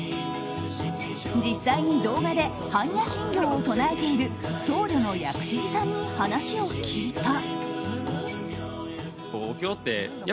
実際に動画で般若心経を唱えている僧侶の薬師寺さんに話を聞いた。